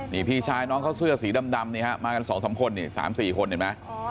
นี่พี่ชายน้องเขาเสื้อสีดำนี่ฮะมากัน๒๓คนนี่๓๔คนเห็นไหม